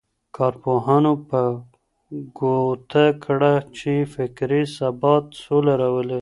کارپوهانو په ګوته کړه چي فکري ثبات سوله راولي.